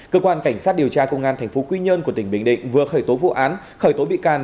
cơ quan cảnh sát điều tra công an tp quy nhơn của tỉnh bình định vừa khởi tố vụ án khởi tố bị can